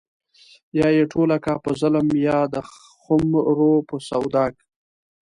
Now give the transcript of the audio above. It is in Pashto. يا يې ټوله کا په ظلم يا د خُمرو په سودا